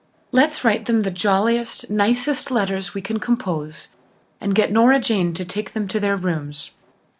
Let's write them the jolliest, nicest letters we can compose and get Nora Jane to take them to their rooms.